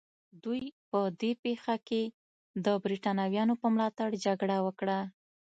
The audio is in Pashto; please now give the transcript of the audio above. دوی په دې پېښه کې د برېټانویانو په ملاتړ جګړه وکړه.